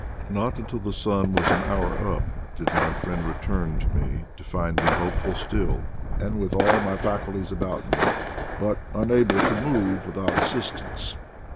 Not until the sun was an hour up did my friend return to me to find me hopeful still, and with all my faculties about me, but unable to move without assistance.